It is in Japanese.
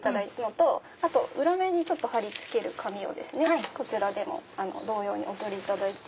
あと裏面に張り付ける紙をこちら同様にお取りいただいて。